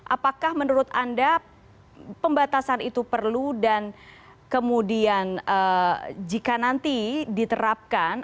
apakah menurut anda pembatasan itu perlu dan kemudian jika nanti diterapkan